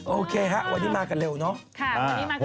โอเคฮะวันนี้มากันเร็วเนอะ